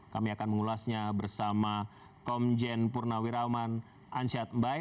kami akan mengulasnya bersama komjen purnawiraman ansyat mbai